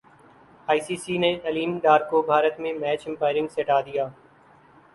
ائی C C نے علیم ڈار کو بھارت میں میچ امپائرنگ سے ہٹا دیا